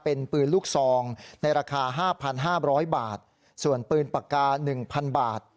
เป็นปืนลูกซองในราคา๕๕๐๐บาทส่วนปืนปากกา๑๐๐บาท